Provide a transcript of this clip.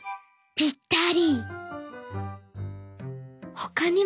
「ぴったり」。